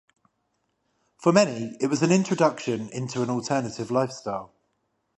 For many it was an introduction into an alternative lifestyle.